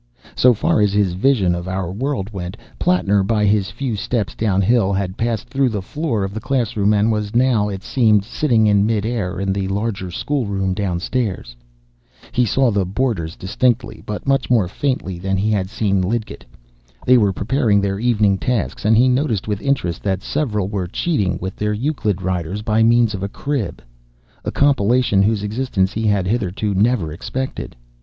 So far as his vision of our world went, Plattner, by his few steps downhill, had passed through the floor of the class room, and was now, it seemed, sitting in mid air in the larger schoolroom downstairs. He saw the boarders distinctly, but much more faintly than he had seen Lidgett. They were preparing their evening tasks, and he noticed with interest that several were cheating with their Euclid riders by means of a crib, a compilation whose existence he had hitherto never suspected.